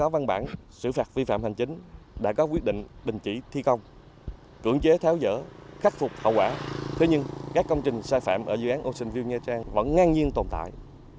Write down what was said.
vì cưỡng chế tháo dỡ khắc phục hậu quả thế nhưng các công trình sai phạm ở dự án ocean view nha trang vẫn ngang nhiên tồn tại